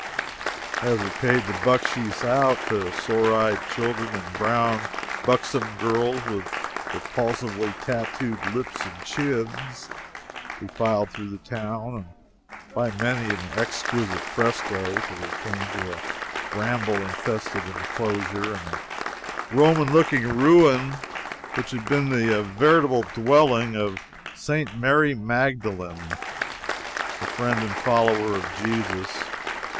As we paid the bucksheesh out to sore eyed children and brown, buxom girls with repulsively tattooed lips and chins, we filed through the town and by many an exquisite fresco, till we came to a bramble infested inclosure and a Roman looking ruin which had been the veritable dwelling of St. Mary Magdalene, the friend and follower of Jesus.